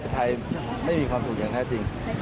ไทยไม่มีความสุขอย่างแท้จริง